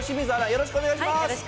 よろしくお願いします。